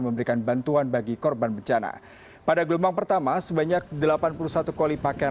memberikan bantuan bagi korban bencana pada gelombang pertama sebanyak delapan puluh satu koli pakaian